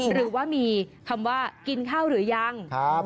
หรือว่ามีคำว่ากินข้าวหรือยัง